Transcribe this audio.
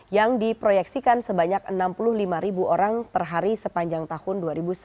yang diproyeksikan sebanyak enam puluh lima ribu orang per hari sepanjang tahun dua ribu sembilan belas